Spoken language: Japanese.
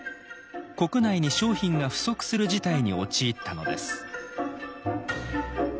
国内に商品が不足する事態に陥ったのです。